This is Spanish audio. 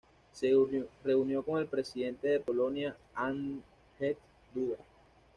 Se reunió con el presidente de Polonia Andrzej Duda.